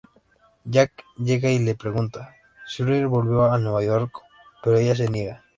Jack llega y le pregunta Schuyler volver a Nueva York, pero ella se niega.